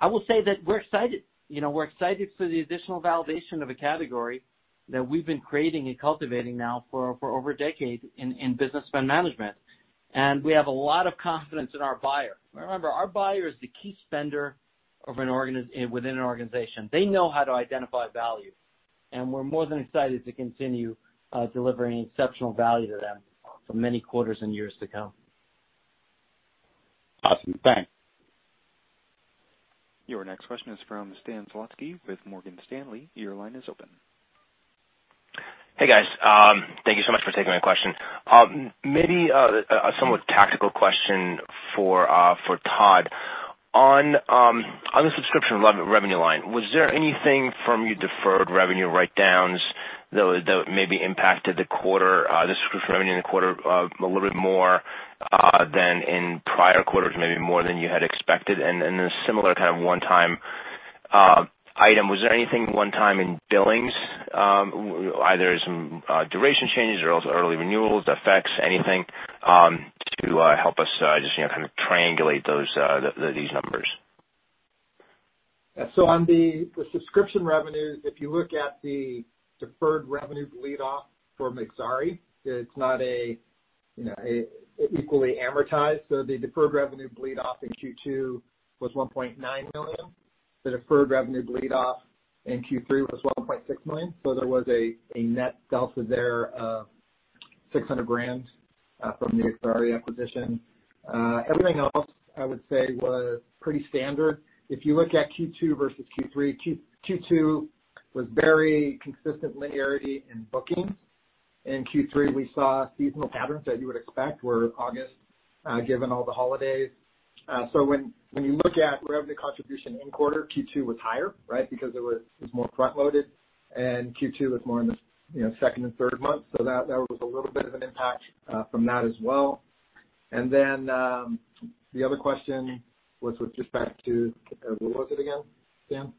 S3: I will say that we're excited. We're excited for the additional validation of a category that we've been creating and cultivating now for over a decade in business spend management. We have a lot of confidence in our buyer. Remember, our buyer is the key spender within an organization. They know how to identify value, and we're more than excited to continue delivering exceptional value to them for many quarters and years to come.
S14: Awesome. Thanks.
S1: Your next question is from Stan Zlotsky with Morgan Stanley. Your line is open.
S15: Hey, guys. Thank you so much for taking my question. Maybe a somewhat tactical question for Todd. On the subscription revenue line, was there anything from your deferred revenue write-downs that maybe impacted the quarter, the subscription revenue in the quarter, a little bit more, than in prior quarters, maybe more than you had expected? The similar kind of one-time item, was there anything one-time in billings, either some duration changes or early renewals effects, anything, to help us just kind of triangulate these numbers?
S4: On the subscription revenue, if you look at the deferred revenue bleed off for Exari, it's not equally amortized. The deferred revenue bleed off in Q2 was $1.9 million. The deferred revenue bleed off in Q3 was $1.6 million. There was a net delta there of $600,000 from the Exari acquisition. Everything else, I would say, was pretty standard. If you look at Q2 versus Q3, Q2 was very consistent linearity in bookings. In Q3, we saw seasonal patterns that you would expect, where August, given all the holidays. When you look at revenue contribution in quarter, Q2 was higher, right? Because it was more front-loaded, and Q2 was more in the second and third month. That was a little bit of an impact from that as well. The other question was with respect to, what was it again, Sam?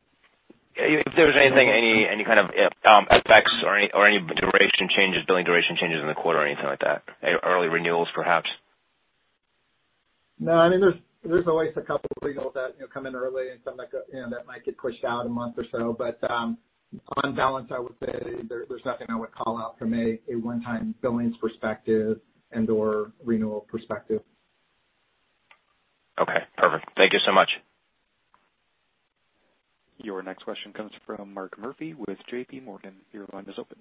S15: If there was anything, any kind of effects or any duration changes, billing duration changes in the quarter or anything like that, early renewals, perhaps.
S4: No, I mean, there's always a couple of renewals that come in early and some that might get pushed out a month or so. On balance, I would say there's nothing I would call out from a one-time billings perspective and/or renewal perspective.
S15: Okay, perfect. Thank you so much.
S1: Your next question comes from Mark Murphy with JP Morgan. Your line is open.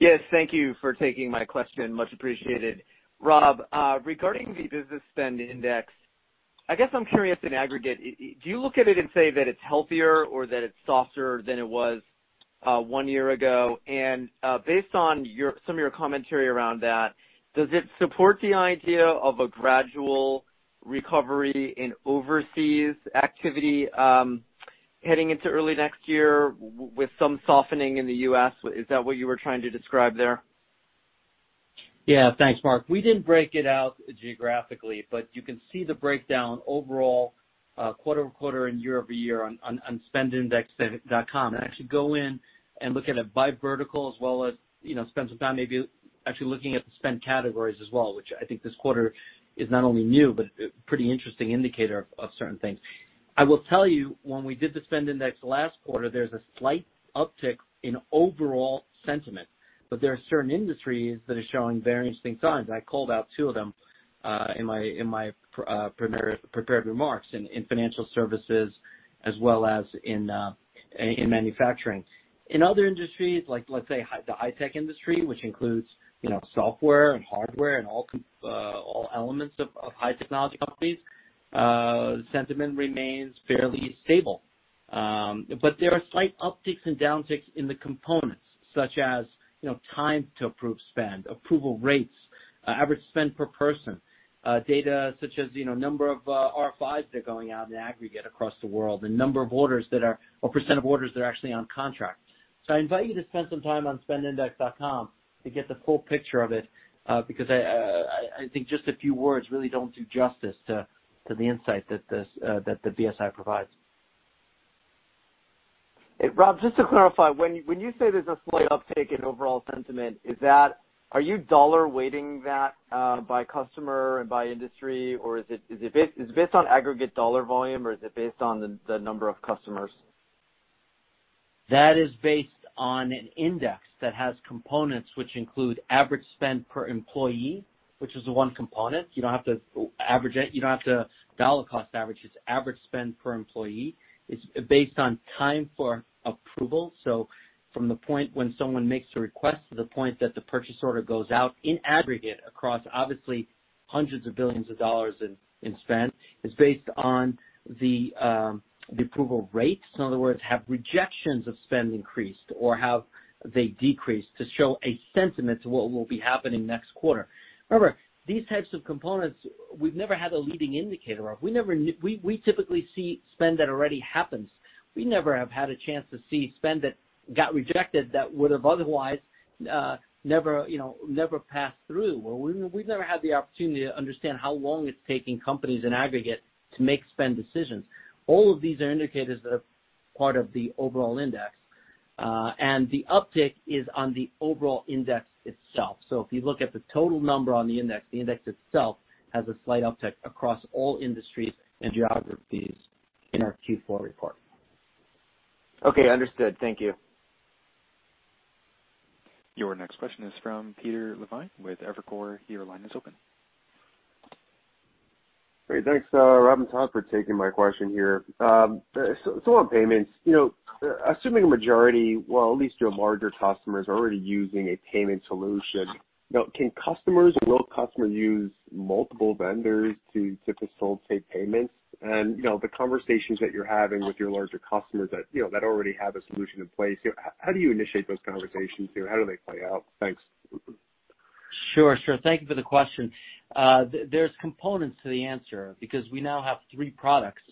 S16: Yes, thank you for taking my question. Much appreciated. Rob, regarding the Business Spend Index, I guess I'm curious in aggregate, do you look at it and say that it's healthier or that it's softer than it was one year ago? Based on some of your commentary around that, does it support the idea of a gradual recovery in overseas activity heading into early next year with some softening in the U.S.? Is that what you were trying to describe there?
S3: Yeah. Thanks, Mark. We didn't break it out geographically, you can see the breakdown overall, quarter-over-quarter and year-over-year on spendindex.com. Actually go in and look at it by vertical as well as spend some time maybe actually looking at the spend categories as well, which I think this quarter is not only new but a pretty interesting indicator of certain things. I will tell you, when we did the Business Spend Index last quarter, there's a slight uptick in overall sentiment, but there are certain industries that are showing very interesting signs. I called out two of them in my prepared remarks, in financial services as well as in manufacturing. In other industries, let's say the high-tech industry, which includes software and hardware and all elements of high technology companies, sentiment remains fairly stable. There are slight upticks and downticks in the components, such as time to approve spend, approval rates, average spend per person, data such as number of RFIs that are going out in aggregate across the world and number of orders that are, or % of orders that are actually on contract. I invite you to spend some time on spendindex.com to get the full picture of it, because I think just a few words really don't do justice to the insight that the BSI provides.
S16: Rob, just to clarify, when you say there's a slight uptick in overall sentiment, are you dollar weighting that by customer and by industry? Or is it based on aggregate dollar volume, or is it based on the number of customers?
S3: That is based on an index that has components which include average spend per employee, which is the one component. You don't have to dollar cost average. It's average spend per employee. It's based on time for approval, so from the point when someone makes a request to the point that the purchase order goes out in aggregate across obviously hundreds of billions of dollars in spend. It's based on the approval rates. In other words, have rejections of spend increased, or have they decreased to show a sentiment to what will be happening next quarter? Remember, these types of components, we've never had a leading indicator of. We typically see spend that already happens. We never have had a chance to see spend that got rejected that would have otherwise never passed through, or we've never had the opportunity to understand how long it's taking companies in aggregate to make spend decisions. All of these are indicators that are part of the overall index, and the uptick is on the overall index itself. If you look at the total number on the index, the index itself has a slight uptick across all industries and geographies in our Q4 report.
S16: Okay, understood. Thank you.
S1: Your next question is from Peter Levine with Evercore. Your line is open.
S17: Great. Thanks, Rob and Todd, for taking my question here. On payments, assuming a majority, well, at least your larger customers are already using a payment solution. Will customers use multiple vendors to facilitate payments? The conversations that you're having with your larger customers that already have a solution in place, how do you initiate those conversations here? How do they play out? Thanks.
S3: Sure. Thank you for the question. There's components to the answer, because we now have three products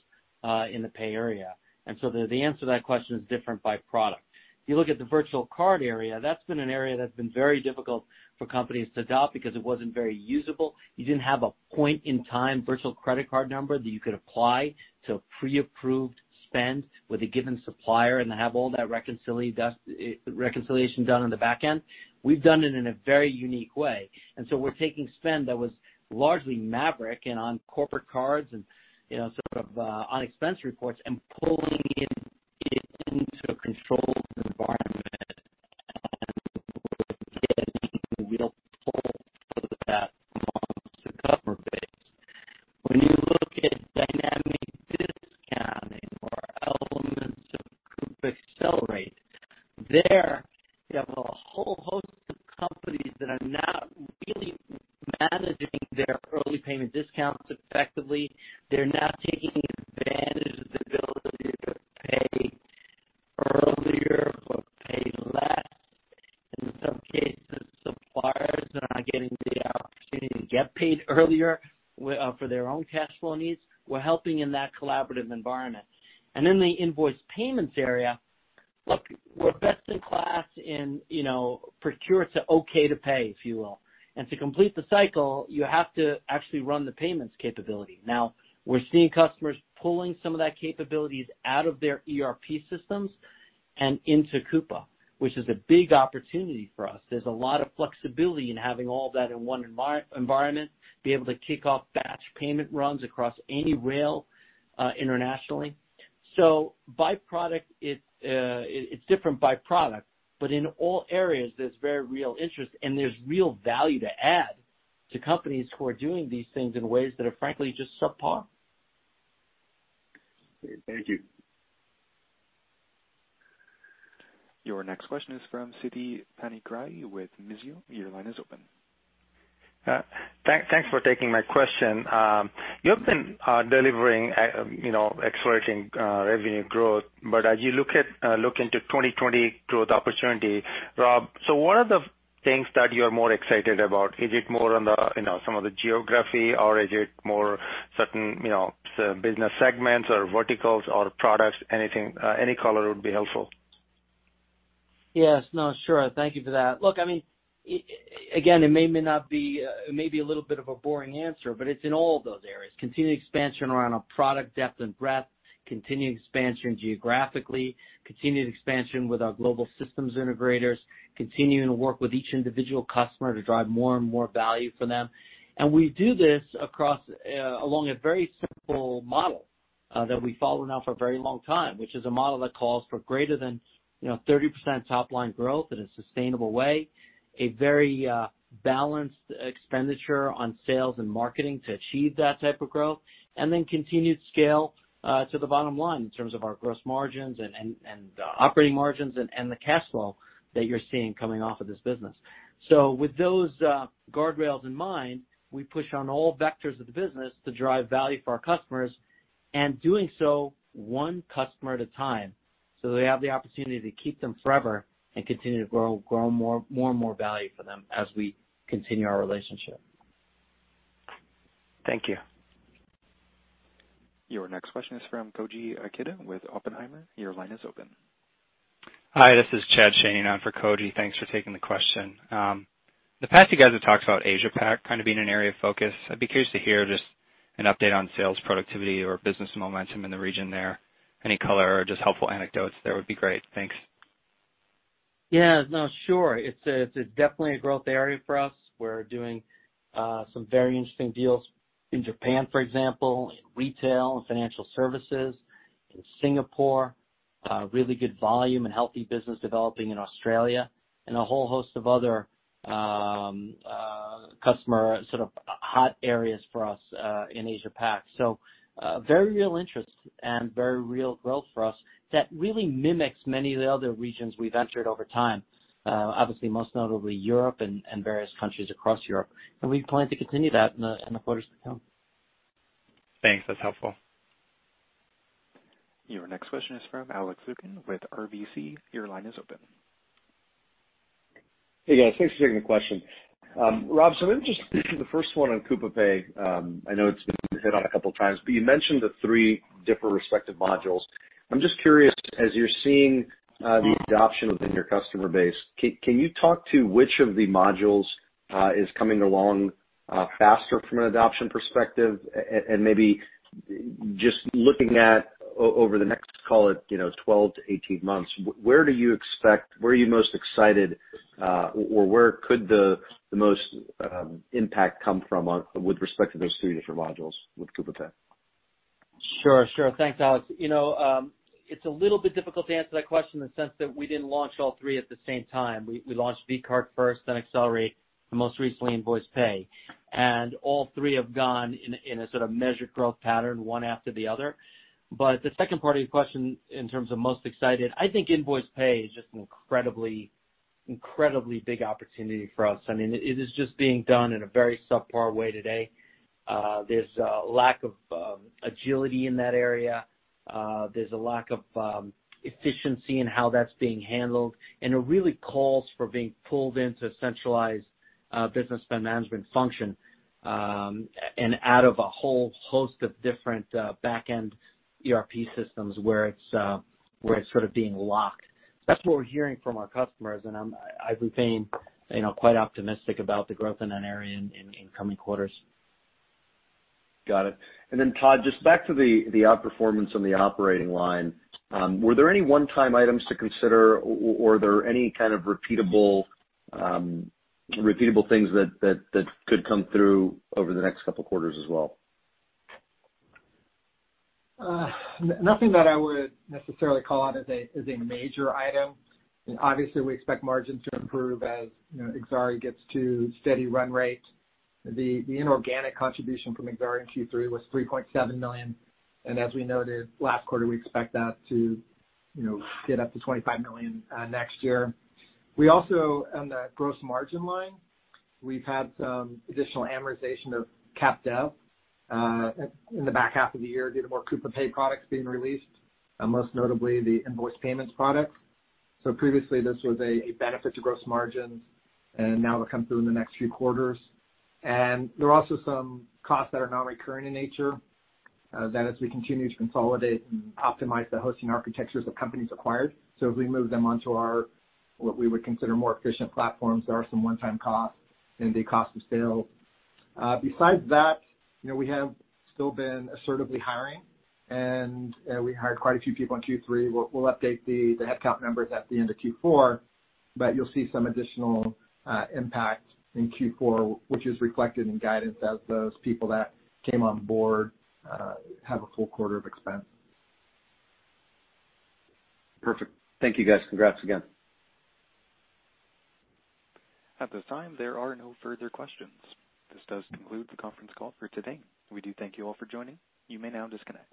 S3: in the pay area, and so the answer to that question is different by product. If you look at the virtual card area, that's been an area that's been very difficult for companies to adopt because it wasn't very usable. You didn't have a point-in-time virtual credit card number that you could apply to pre-approved spend with a given supplier and have all that reconciliation done on the back end. We've done it in a very unique way, and so we're taking spend that was largely maverick and on corporate cards and sort of on expense reports and pulling it into a controlled environment and we're getting real pull for that amongst the customer base. When you look at dynamic discounting or elements of Coupa Accelerate, there you have a whole host of companies that are not really managing their early payment discounts effectively. They're not taking advantage of the ability to pay earlier but pay less. In some cases, suppliers are not getting the opportunity to get paid earlier for their own cash flow needs. We're helping in that collaborative environment. In the invoice payments area, look, we're best in class in procure-to-pay, if you will. To complete the cycle, you have to actually run the payments capability. Now, we're seeing customers pulling some of that capabilities out of their ERP systems and into Coupa, which is a big opportunity for us. There's a lot of flexibility in having all that in one environment, be able to kick off batch payment runs across any rail internationally. It's different by product, but in all areas, there's very real interest, and there's real value to add to companies who are doing these things in ways that are, frankly, just subpar.
S17: Great. Thank you.
S1: Your next question is from Siti Panigrahi with Mizuho. Your line is open.
S18: Thanks for taking my question. You have been delivering accelerating revenue growth. As you look into 2020 growth opportunity, Rob, so what are the things that you're more excited about? Is it more on some of the geography, or is it more certain business segments or verticals or products? Any color would be helpful.
S3: Yes. No, sure. Thank you for that. Look, again, it may be a little bit of a boring answer, but it's in all of those areas. Continued expansion around our product depth and breadth, continued expansion geographically, continued expansion with our global systems integrators, continuing to work with each individual customer to drive more and more value for them. We do this along a very simple model that we've followed now for a very long time, which is a model that calls for greater than 30% top-line growth in a sustainable way, a very balanced expenditure on sales and marketing to achieve that type of growth, and then continued scale to the bottom line in terms of our gross margins and operating margins and the cash flow that you're seeing coming off of this business. With those guardrails in mind, we push on all vectors of the business to drive value for our customers, and doing so one customer at a time, so that we have the opportunity to keep them forever and continue to grow more and more value for them as we continue our relationship.
S18: Thank you.
S1: Your next question is from Koji Ikeda with Oppenheimer. Your line is open.
S19: Hi, this is Chad Shanahan for Koji. Thanks for taking the question. In the past, you guys have talked about Asia-Pac kind of being an area of focus. I'd be curious to hear just an update on sales productivity or business momentum in the region there. Any color or just helpful anecdotes there would be great. Thanks.
S3: Yeah. No, sure. It's definitely a growth area for us. We're doing some very interesting deals in Japan, for example, in retail and financial services. In Singapore, really good volume and healthy business developing in Australia, and a whole host of other customer sort of hot areas for us in Asia-Pac. Very real interest and very real growth for us that really mimics many of the other regions we've entered over time. Obviously, most notably Europe and various countries across Europe. We plan to continue that in the quarters to come.
S19: Thanks. That's helpful.
S1: Your next question is from Alex Zukin with RBC. Your line is open.
S20: Hey, guys. Thanks for taking the question. Rob, this is the first one on Coupa Pay. I know it's been hit on a couple of times, you mentioned the three different respective modules. I'm just curious, as you're seeing the adoption within your customer base, can you talk to which of the modules is coming along faster from an adoption perspective? Maybe just looking at over the next, call it 12-18 months, where are you most excited, or where could the most impact come from with respect to those three different modules with Coupa Pay?
S3: Sure. Thanks, Alex. It's a little bit difficult to answer that question in the sense that we didn't launch all three at the same time. We launched vCard first, then Accelerate, and most recently, Invoice Pay. All three have gone in a sort of measured growth pattern, one after the other. The second part of your question in terms of most excited, I think Invoice Pay is just an incredibly big opportunity for us. It is just being done in a very subpar way today. There's a lack of agility in that area. There's a lack of efficiency in how that's being handled, and it really calls for being pulled into a centralized business spend management function, and out of a whole host of different back-end ERP systems where it's sort of being locked. That's what we're hearing from our customers, and I remain quite optimistic about the growth in that area in coming quarters.
S20: Got it. Todd, just back to the outperformance on the operating line, were there any one-time items to consider, or are there any kind of repeatable things that could come through over the next couple of quarters as well?
S4: Nothing that I would necessarily call out as a major item. Obviously, we expect margins to improve as Exari gets to steady run rate. The inorganic contribution from Exari in Q3 was $3.7 million. As we noted last quarter, we expect that to get up to $25 million next year. We also, on the gross margin line, we've had some additional amortization of capitalized in the back half of the year due to more Coupa Pay products being released, most notably the Invoice Pay product. Previously, this was a benefit to gross margins, and now it'll come through in the next few quarters. There are also some costs that are non-recurring in nature that as we continue to consolidate and optimize the hosting architectures of companies acquired. As we move them onto our, what we would consider more efficient platforms, there are some one-time costs in the cost of sale. Besides that, we have still been assertively hiring, and we hired quite a few people in Q3. We'll update the headcount numbers at the end of Q4, but you'll see some additional impact in Q4, which is reflected in guidance as those people that came on board have a full quarter of expense.
S20: Perfect. Thank you, guys. Congrats again.
S1: At this time, there are no further questions. This does conclude the conference call for today. We do thank you all for joining. You may now disconnect.